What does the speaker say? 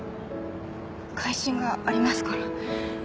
回診がありますから。